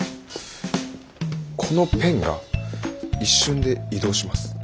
このペンが一瞬で移動します。